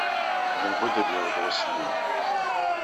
Labudd ad d-yaweḍ wass-nni.